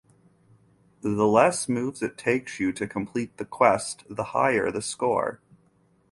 The less moves it takes you to complete the quest the higher the score.